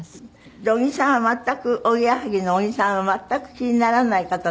で小木さんは全くおぎやはぎの小木さんは全く気にならない方なんですって？